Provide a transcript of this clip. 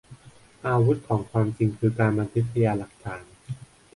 อาวุธของความจริงคือการบันทึกพยานหลักฐาน